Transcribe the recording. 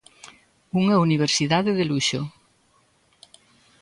'Unha universidade de luxo'.